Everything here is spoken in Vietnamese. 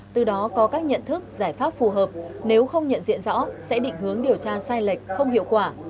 từ đó có các nhận thức giải pháp phù hợp nếu không nhận diện rõ sẽ định hướng điều tra sai lệch không hiệu quả